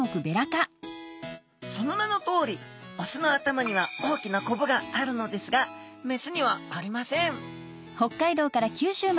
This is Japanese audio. その名のとおりオスの頭には大きなコブがあるのですがメスにはありません